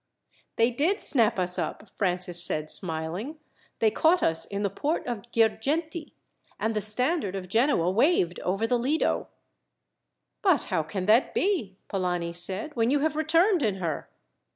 "They did snap us up," Francis said smiling. "They caught us in the port of Girgenti, and the standard of Genoa waved over the Lido." "But how can that be," Polani said, "when you have returned in her?